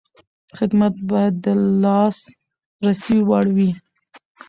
خدمت باید د لاسرسي وړ وي.